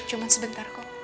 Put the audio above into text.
cuma sebentar kok